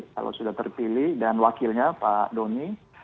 kalau sudah terpilih dan wakilnya pak doni